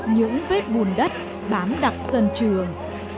những vết bùn đất bám đặc sân trường